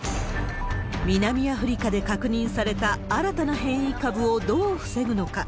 南アフリカで確認された新たな変異株をどう防ぐのか。